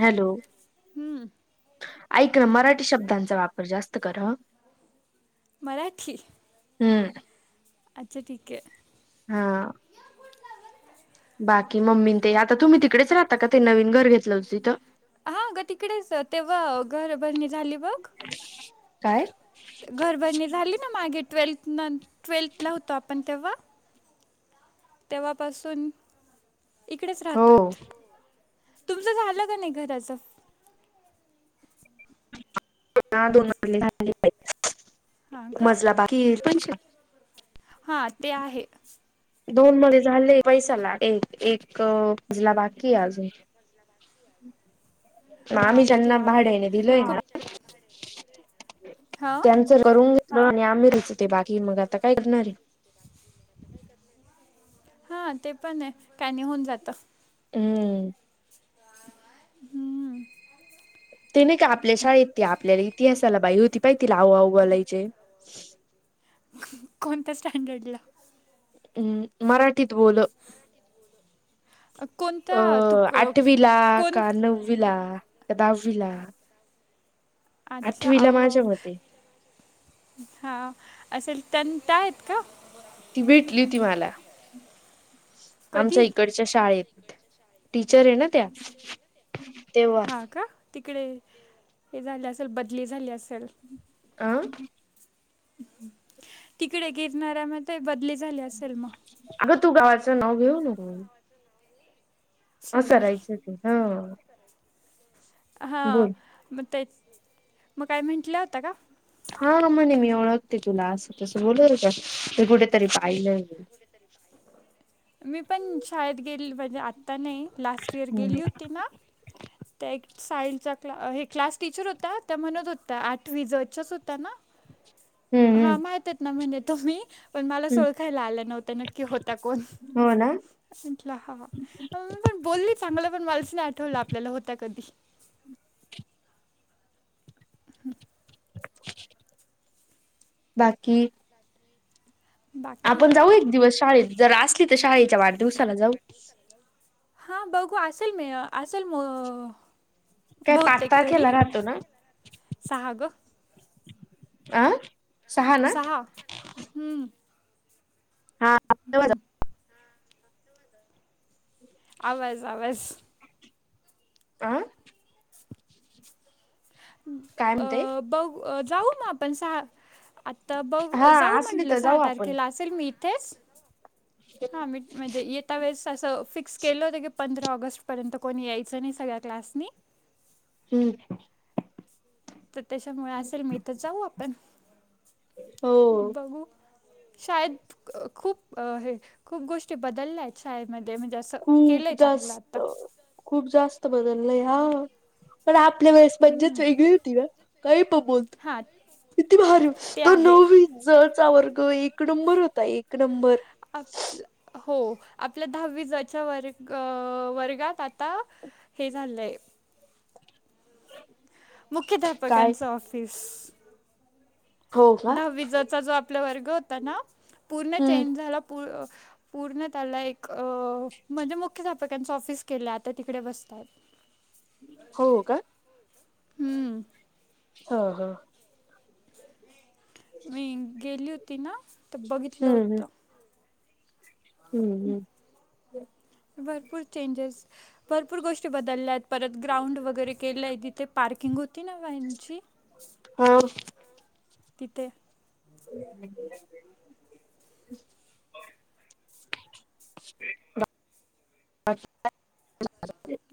Hello हं, ऐक ना मराठी शब्दांचा वापर जास्त कर. मराठी हं. अच्छा ठीक आहे. हा. बाकी मम्मी ते आता तुम्ही तिकडेच राहता का ते नवीन घर घेतलं होती तर हा ग तिकडेच तेव्हा घर बरणी झाली बघ. काय? घरभरणी झाली ना मागे ट्वेल्थ ट्वेल्थ ला होतो आपण तेव्हा तेव्हापासून इकडेच हो राहतोत. तुमचं झालं का नाही घराचं दोन झा हां पा का मजला बाकी पंच हां ते आहे. दोन मध्ये झाले पैसाला एक-एक अजला बाकी आजून हा मी हां ते त्यांना आहे भाड्यानी दिलोय ना, खूप हां त्यांचं करून घेतलं आणि आम्ही रुचते बाकी मग आता काय करणारे हा ते पण आहे त्यांनी होऊन जात. ह्म्म्म हम्म ते नाही का आपल्या शाळेत आपल्याला इतिहासाला बाई होती पाहि तिला आवआव बोलायचे, कोणत्या स्टँडर्डला? हं मराठीत बोल कोणता अ तू क- आठवीला कोण का, नववीला का, दहावीला, अच्छा, आठवीला आउ माझ्या आऊ मते हां असेल तं त्या आहेत का? ती भेटली होती मला आमच्या कधी? इकड मच्या शाळेत टीचर ये ना त्या. तेव्हा हा का? तिकडे हे झालं असेल बदली झाली असेल आ तिकडे गिरणाऱ्या मध्ये बदली झाले असेल मग. अगं तू गावाचं नाव घेऊ नको असां सॉरी राहायच होती, हा हा बोल मग ते मग काय म्हटल्या होत्या का? हा मणे मी ओळखते तुला असं तसं बोलत होत्या कुठेतरी पाहिलं मी मी पण शाळेत गेली म्हणजे आत्ता नाही लास्ट इयर हम्म गेली होती ना [unintelligible] त्या सायन्सच्या हे क्लास टीचर होता त्या म्हणत होत्या आठवी जच्याच होत्या ना? [unintelligible] हम्म हा माहितात ना म्हणेे तुम्ही मी पण मला हम्म ओळखायला आलं नव्हत नक्की होत्या कोण? हो ना म्हटलं हाहा म पण बोलली चांगलं पण मलाच नाही आठवलं आपल्याला होत्या कधी? हं [unintelligible] बाकी बाकी आपण काही जाऊ नाही एक दिवस शाळेत जर असली तर शाळेच्या वाढदिसाला जाऊ. हां बघू असल म असल म काय पाच बहुतेक तरी तारखेला राहतो ना, सहा गं अ सहा, हम्म हा [unintelligible] [unintelligible] आवाज आवाज आं काय म्हणते बघ जाऊ मग आपण सहा आ तर बघ हा जाऊ असली म्हंटलं तर सहा जाऊ आपण तारखेला असेल मी इथेच हा मी मग येता वेळी अस फिक्स केलं होतं की पंधरा ऑगस्टपर्यंत कोणी यायचं नाही सगळ्या क्लासनी, हम्म मुळे असेल मग इथं जाऊ आपण हो बघू शयद खूप अ हे खूप गोष्टी बदलल्या आहेत शाळेमध्ये म्हणजे, असं केलं खूप आहे चांगलं जास्त आत्ता खूप जास्त बदललय हा पण आपल्या वेळेस मज्जाच हम्म वेगळी होती का काही पण बोलतो हां किती भारी ते तो आहे नववी जचा वर्ग एक नंबर होता एक नंबर. आप हो आपल्या दहावी जच्या वर् वर्गात आता - हे झालंय [inaudible] काय मुख्याध्यापकांच ऑफिस. हो का दहावी ज चा जो आपला वर्ग होता ना पूर्ण हम्म चेंज झाला पु अ पूर्ण त्याला एक अ म्हणजे मुख्याधपक्यांचं ऑफिस केलं आता तिकडे बसतात हो का? हम्म. हा हा. मी गेली होती ना तर बघितलं हम्म हम्म. होतं. हम्म हम्. भरपूर चेंजेस भरपूर गोष्टी बदलल्या आहेत परत ग्राउंड वगैरे केलंय तिथे पार्किंग होती ना व्हॅनची हो. तिथे - [inaudible] [unintelligible]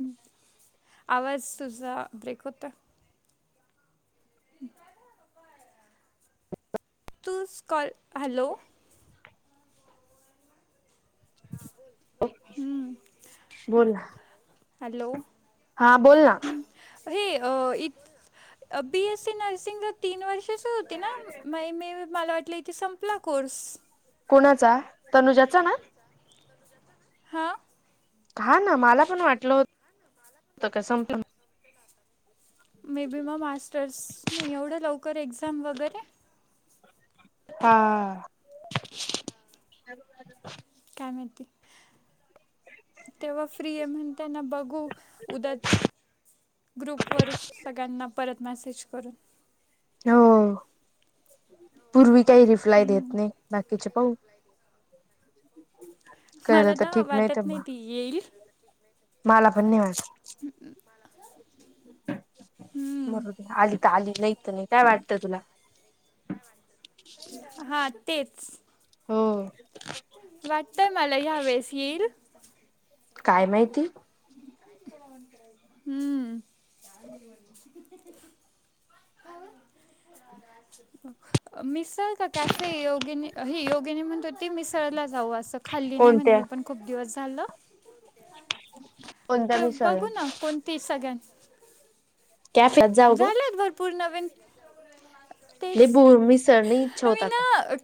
आवाज तुझा ब्रेक होतोय. [inaudible] तूच कॉल हॅलो हा बोल. बोला हॅलो हा बोल ना हे हित बी एस सी नर्सिंग ला तीन वर्ष ते स होते ना मै मे मी मला वाटलं इथे संपला कोर्स. कोणाचा तनुजाचा ना? हा. हा ना मला पण वाटलं होत का संपल म्हणून मे बी मग मास्टर्स नाही एवढ्या लवकर एक्झाम वगैरे हा. काय मैती तेव्हा फ्री आहे म्हणते ना बघू उद्या ग्रुपवर सगळ्यांना परत मॅसेज करू हो पूर्वी काही रिप्लाय देत नाही बाकीचे पाहु. कळलं मला तर ना ठीक तर वाटत नाही मग ती येईल. मला पण नाही वाटत हम्म, मरू दे. आली तर आली नाही तर नाही काय वाटत तुला? हां तेच हो. वाटतय मला या वेळेस येईल. काय माहिती? हम्म. मिसळ काय कॅफे योगिनी ही योगिनी तिने म्हणत होती मिसळला जाऊ असं खाल्ली नाही म्हणे कोणत्या मी पण खूप दिवस झालं. [inaudible] तर मिसळ बघू ना कोणती सग्यां कॅफेत जाऊ ग झाल्यात भर पूर नविन तेच लय बोर मिसळ नाही इच्छा ये होत मी आता ना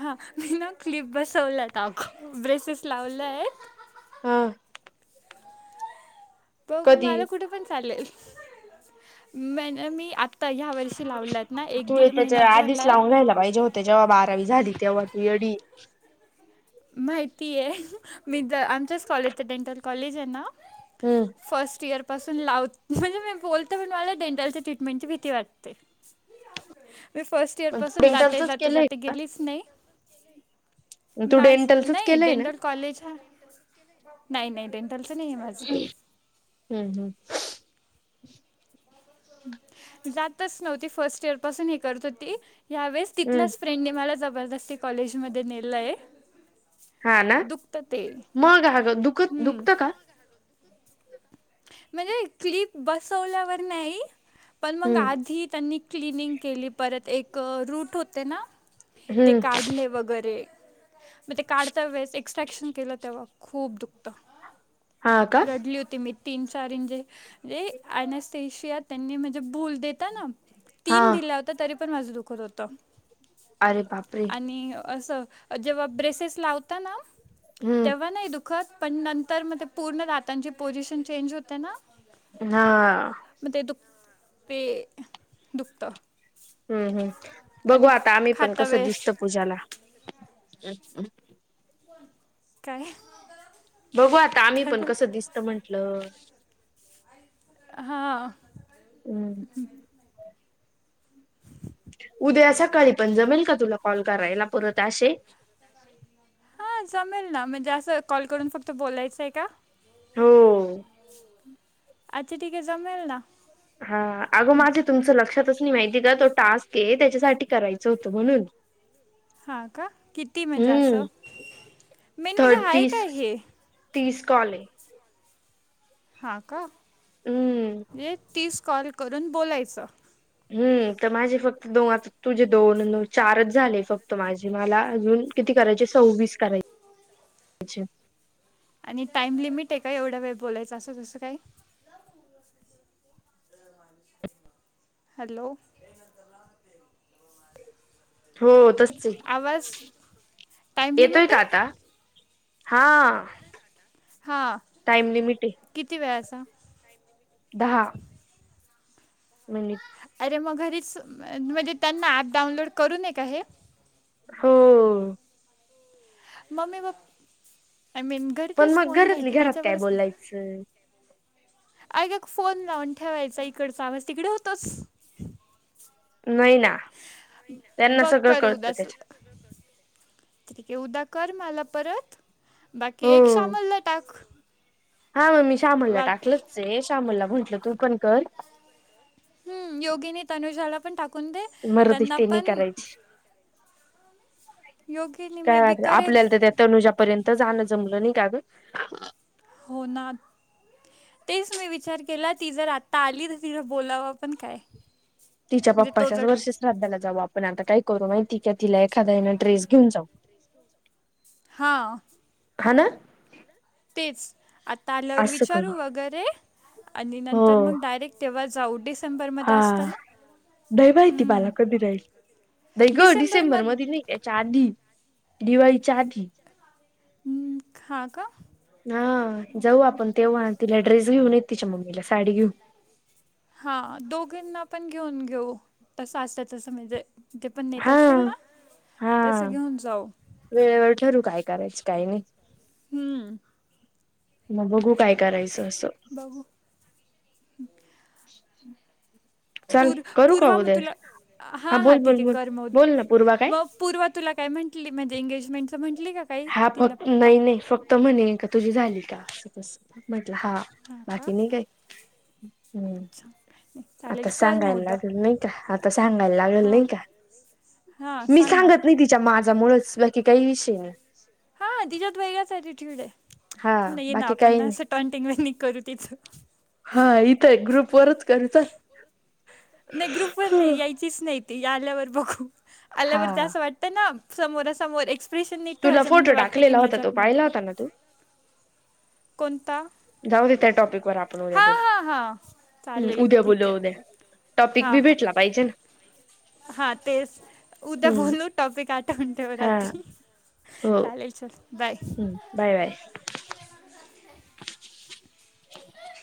हा मी ना क्लिप बसवल्यात अगं ब्रेसेस लावलेत. हां. बघू मला कुठे पण चालेल म मी ता ह्या वर्षी लावल्यात आहेत ना एक दीड महिन्यात झालाय. राहिला बाई [unintelligible] त्या जेव्हा बारावी झाली तेव्हा म्हणती येडी माहिती आहे मी द आमच्याच कॉलेजच डेंटल कॉलेज आहे ना हम्म फर्स्ट इयर बसून लावते म्हणजे मी बोलते पण मला डेंटल ट्रीटमेंट ची भीती वाटते. मी फर्स्ट इयर पण तू पासून जाते डेंटलचच जाते केलंय जाते गेलीच नाही. तू माझ डेंटलचच नाही केलंय ना डेंटल कॉलेज हा नाही नाही डेंटलच नाही आहे माझं हम्म ह जातच नव्हती फर्स्ट इयर पासून हे करत होती या वळे तिथल्या हम्म फ्रेंडने मला जबरदस्ती कॉलेजमध्ये नेलं आहे. हा ना दुखत ते मग अगं दुखत हम्म. दुखतं का म्हणजे क्लिप बसवल्यावर नाही पण मग हम्म आधी त्यांनी क्लनिंग केली परत एक रूट होते ना ते हम्म काढले वगैरे. मग ते काढता वेळेस एक्स्ट्रॅक्शन केलं तेव्हा खूप दुखत. हा का रडली होती मी तीन चार इंजे म्हणजे अनसेशिया त्यांनी म्हणजे भूल देता ना हा तीन दिल्या होत तरी पण माझं दुखत होत अरे बापरे आणि असं. जेव्हा ब्रेसेस लावता ना हम्म तेव्हा नाही दु द पण नंतर मग ते पूर्ण दातांची पोझिशन चेंज होते ना. हा. मते दुख ते दुखत हम्म हम्म बघू आता आम्ही पण खाता कसं वेळेस दिसत पूजाला काय बघू आता आम्ही काय पण बोल कसं दिसत म्हंटल हा. हम्म. [inaudible] उद्या सकाळी पण जमेल का तुला कॉल. करायला पुरत असे. हा जमेल ना म्हणजे असं कॉल करून फक्त बोलायचं आहे का? हो. अच्छा ठीके जमेल ना. हा अगं माझे तुमचं लक्षातच नाही माहिती का तो टास्क आहे त्याच्यासाठी करायचं होतं म्हणून हा का किती म्हणजे असं हम्म मेन म्हणजे आहे थर्टीस काय तीस हे तीस कॉल आहे. हा का हम्म तीस कॉल करून बोलायचं. हम्म तर माझे फक्त दोनच. तुझे दोन अन दोन चारच झाले फक्त माझे मला अजून किती करायचे सव्वीस करायचे.. अच्छा! आणि टाइम लिमिट आहे का एवढा वेळ बोलायचं असं तसं काय. हॅलो! हो तसच आहे आवाज टाईम येतोय लिमिट का आता हा हा टाइम लिमिट आहे किती वेळाचा. दहा नाही. अरे मग घरीच म्हणजे त्यांना ऍप डाऊनलोड करू नये का हे हो. मम्मी बा आय मीन पण घरचेच मग फोन घरातली घ्यायचे घरात काय त्याच्यावरच ना बोलायचं ऐका फोन लावून ठेवायचा इकडचा आवाज तिकडं होतोच नाही ना त्यांना बघ सगळं कर कळतं उदास उ त्याच्या ठीकये उद्या कर मला परत बाकी हो एक शामला टाक हा मग मी श्यामला वाट टाकलंच आहे श्यामला म्हंटलं तू पण कर हम्म योगीनी तनुजाला पण टाकून दे मरदी त्यांना ते नाही पण करायची योगिनी मे काय बी वाट करेल आपल्याला तर त्या तनुजापर्यंत जाणं जमलं नाही का ग होणार तेच मी विचार केला ती जर आत्ता आली तर तिला बोलावं पण काय? तिच्या म्हणजे तो पप्पाच्या जर वर्ष श्राधाला जाऊ आपण आता काय करू माहीती का तिला एखादा ना ड्रेस घेऊन जाऊ. हां हा ना तेच आता आल्यावर असं करू विचारू वगैरे आणि नंतर हो मग डायरेक्ट तेव्हा जाऊ हा डिसेंबरमध्ये असतं ना? नाही माहिती हम्म. माला कधी जाईल नायी ग डिसेंबर मधे डिसेंबरमध्ये नाही. याच्या आधी दिवाळीच्या आधी हम्म, हा का? हा जाऊ आपण तेव्हा तिला ड्रेस घेऊन ये तिच्या मम्मीला साडी घेऊन हा दोघीांना पण घेऊन घेऊ तसं असत तसं म्हणजे ते पण नेत हा असतील ना हा तसं घेऊन जाऊ. वेळेवर ठरू काय करायचं काय नाही? हम्म म बघू काय करायचं असं बघू [inaudible] पूर् करू का पुर्वा म उद्या तुला हा हा बोल बोल ठीकय बोल कर म बोल ना पूर्वा काय? मग पूर्वा तुला काय म्हटली म्हणजे एंगेजमेंटच म्हटली का? काही हा तिला फक्त पा नाही नाही फक्त म्हणे का तुझी झाली का? असं तसं म्हटलं हा हां का बाकी नाही कायी अच्छा नाही आता चालेल कर मग सांगायला उद्या लागेल नायी का? आता सांगायला लागेल हां नाही का? हां मी सांग ना सांगत नाही तिच्या माजा मुळचं बाकी कायी विषय नायी हा तिच्यात वेगळांच ॲटिट्यूडय हा थांब ना ये ना बाकी काही आपण नाही. असं टॉनटिंग वाणींग करू तिचं हा इथंय ग्रुप वरच करू चल नाही ग्रुपवर नाही यायचीच नाही ती आल्यावर बघू आल्यावर ते हा. असं वाट ना समोरा समोर एक्सप्रेशन नीट तुला ठेवायचे म्हणजे फोटो वाटतं की टाकलेला होता तो मजाक मध्ये पाहिला कर होता ना तू कोणता? जाऊ दे त्या टॉपिक वर आपण उद्या हां बोलू् हां हां हम्म चालेल उद्या ठीक बोलू उद्या आहे टॉपिक बी भेटला पाहिजे ना? हा तेच उद्या हम्म बोलु टॉपिक आठवून ठेव हा रात्री चालेल चल बाय हं बाय बाय [inaudible]